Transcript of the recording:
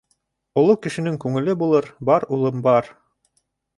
— Оло кешенең күңеле булыр, бар, улым, бар.